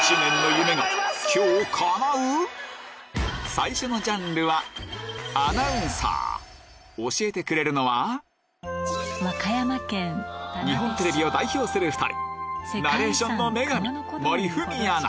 最初のジャンルは教えてくれるのは日本テレビを代表する２人